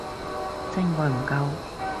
真愛唔夠